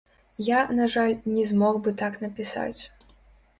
Я, на жаль, не змог бы так напісаць.